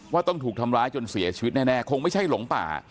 ต้องถูกทำร้ายจนเสียชีวิตแน่คงไม่ใช่หลงป่า